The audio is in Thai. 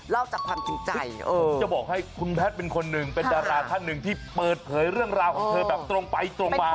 จากความจริงใจจะบอกให้คุณแพทย์เป็นคนหนึ่งเป็นดาราท่านหนึ่งที่เปิดเผยเรื่องราวของเธอแบบตรงไปตรงมา